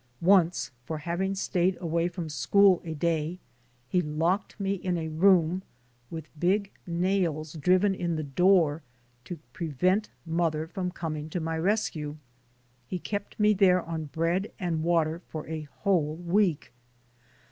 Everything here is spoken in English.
Once, for having stayed away from school a day, he locked me in a room, with big nails driven in the door, to prevent mother from coming to my rescue. He kept me there on bread and water for a whole week.